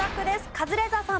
カズレーザーさん。